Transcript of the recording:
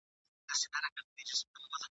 پر ماشوم زړه به مي خوږه لکه کیسه لګېږې !.